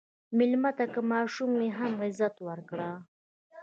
مېلمه ته که ماشوم وي، هم عزت ورکړه.